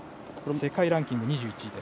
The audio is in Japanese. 世界ランキングは２１位。